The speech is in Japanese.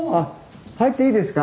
入っていいですか？